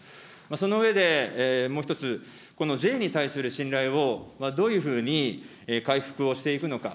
その上で、もう１つ、この税に対する信頼をどういうふうに回復をしていくのか。